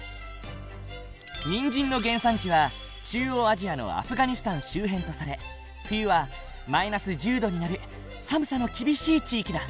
にんじんの原産地は中央アジアのアフガニスタン周辺とされ冬はマイナス１０度になる寒さの厳しい地域だ。